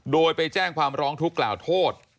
โดยไปแจ้งความร้องทุกข์กล่าวโทษ